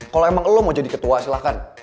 kalau emang lo mau jadi ketua silahkan